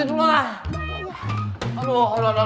aduh aduh aduh